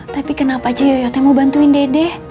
tapi kenapa jeyo yote mau bantuin dede